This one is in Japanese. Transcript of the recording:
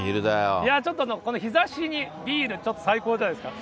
ちょっとね、日ざしにビール、ちょっと最高じゃないですか？